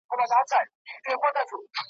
چي په زرهاوو کسان یې تماشې ته وروتلي ول ,